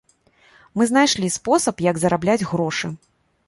Мы знайшлі спосаб, як зарабляць грошы.